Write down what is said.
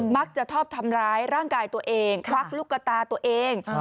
มักจะชอบทำร้ายร่างกายตัวเองควักลูกตาตัวเอง